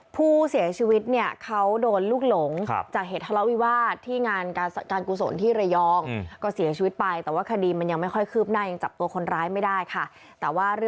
พยายามเอาเข้า๒รอบแล้วเข้าไม่ได้ครับ